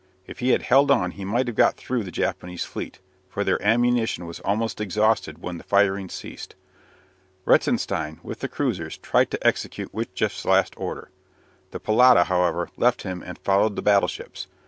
If he had held on he might have got through the Japanese fleet, for their ammunition was almost exhausted when the firing ceased. Reitzenstein, with the cruisers, tried to execute Witjeft's last order. The "Pallada," however, left him and followed the battleships.